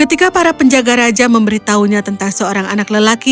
ketika para penjaga raja memberitahunya tentang seorang anak lelaki